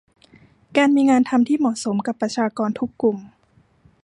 การมีงานทำที่เหมาะสมกับประชากรทุกกลุ่ม